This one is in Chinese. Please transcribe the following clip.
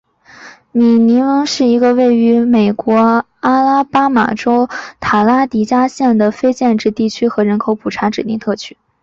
米尼翁是一个位于美国阿拉巴马州塔拉迪加县的非建制地区和人口普查指定地区。